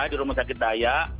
di rumah sakit daya